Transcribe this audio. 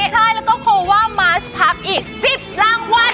ใช่แล้วก็โคว่ามาชพักอีก๑๐รางวัล